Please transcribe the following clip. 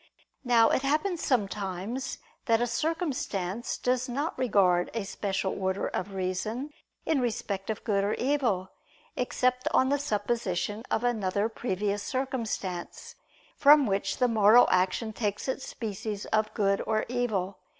Now it happens sometimes that a circumstance does not regard a special order of reason in respect of good or evil, except on the supposition of another previous circumstance, from which the moral action takes its species of good or evil.